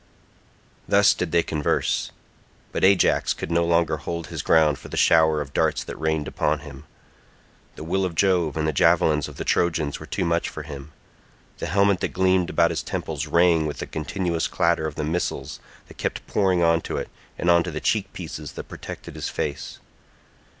Thus did they converse. But Ajax could no longer hold his ground for the shower of darts that rained upon him; the will of Jove and the javelins of the Trojans were too much for him; the helmet that gleamed about his temples rang with the continuous clatter of the missiles that kept pouring on to it and on to the cheek pieces that protected his face.